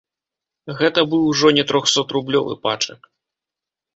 Гэта быў ужо не трохсотрублёвы пачак.